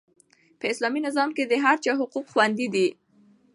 په اسلامي نظام کې د هر چا حقوق خوندي دي.